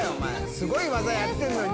すごい技やってんのに